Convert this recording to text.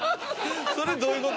それどういうこと？